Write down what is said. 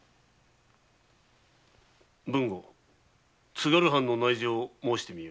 津軽藩の内情を申してみよ。